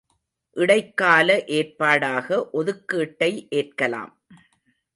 இடைக்கால ஏற்பாடாக ஒதுக்கீட்டை ஏற்கலாம்.